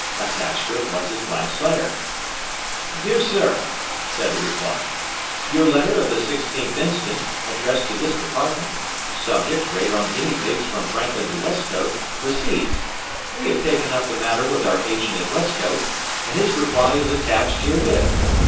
Attached to it was his last letter. “Dr. Sir,” said the reply. “Your letter of the 16th inst., addressed to this Department, subject rate on guinea pigs from Franklin to Westcote, ree'd. We have taken up the matter with our agent at Westcote, and his reply is attached herewith.